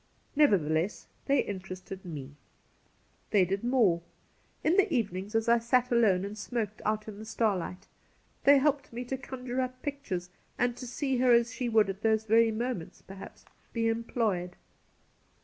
Nevertheless, they interested me. They Cassidy 147 did more. In the evenings, as I sat alone and smoked out in the starlight they helped me to conjure up pictures and to see her as she would at those very moments, perhaps, be employed.